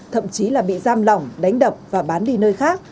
thậm chí là bị giam lỏng đánh đập và bán đi nơi khác